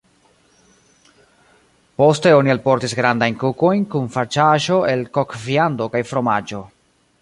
Poste oni alportis grandajn kukojn kun farĉaĵo el kokviando kaj fromaĝo.